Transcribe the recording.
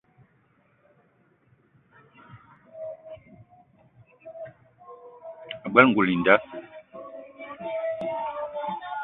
Ag͡bela ngoul i nda.